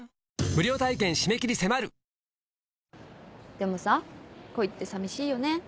でもさ恋って寂しいよね。